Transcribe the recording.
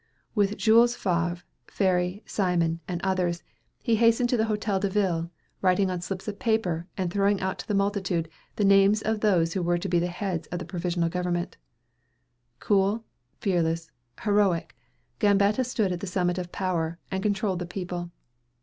With Jules Favre, Ferry, Simon, and others, he hastened to the Hotel de Ville, writing on slips of paper, and throwing out to the multitude, the names of those who were to be the heads of the provisional government. Cool, fearless, heroic, Gambetta stood at the summit of power, and controlled the people.